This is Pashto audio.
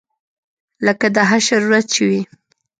لکه د حشر ورځ چې وي.